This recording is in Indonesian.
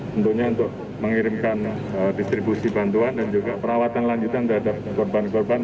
tentunya untuk mengirimkan distribusi bantuan dan juga perawatan lanjutan terhadap korban korban